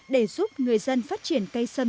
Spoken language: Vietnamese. để giúp người dân trong khu vực trồng cây sâm ngọc linh